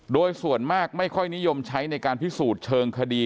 โดยส่วนมากไม่ค่อยนิยมใช้ในการพิสูจน์เชิงคดี